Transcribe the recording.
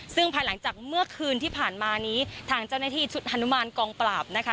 ซึ่งภายหลังจากเมื่อคืนที่ผ่านมานี้ทางเจ้าหน้าที่ชุดฮานุมานกองปราบนะคะ